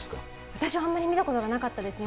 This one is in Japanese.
私はあんまり見たことがなかったですね。